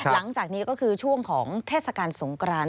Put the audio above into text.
หลังจากนี้ก็คือช่วงของเทศกาลสงกราน